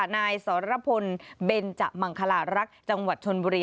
นายสรพลเบนจมังคลารักษ์จังหวัดชนบุรี